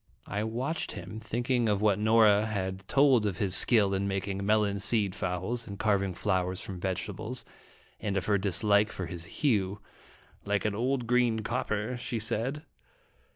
I watched him, thinking of what Nora had told of his skill in making melon seed fowls, and carving flowers from vegetables, and of her dislike for his hue 'Mike an old, green copper," she said.